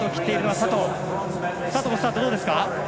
佐藤のスタート、どうですか？